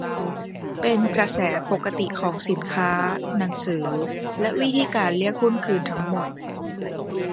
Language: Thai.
เป็นกระแสปกติของสินค้า หนังสือ และวิธีการเรียกหุ้นคืนทั้งหมด